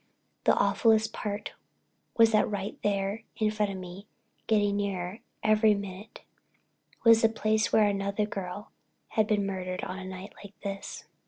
And the awfullest part was that right there in front of me, getting nearer every minute, was the place where another girl had been murdered on a night like this.